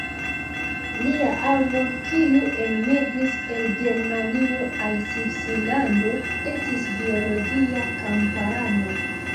Lia avo, kiu enmigris el Germanio al Svislando estis biologia kamparano.